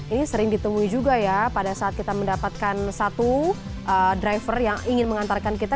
ini sering ditemui juga ya pada saat kita mendapatkan satu driver yang ingin mengantarkan kita